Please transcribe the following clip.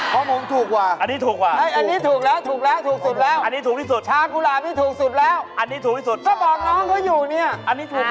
เพราะผมถูกว่าอันนี้ถูกแล้วถูกสุดแล้วชากุหลาบนี่ถูกสุดแล้วก็บอกน้องเขาอยู่เนี่ยอันนี้ถูกค่ะ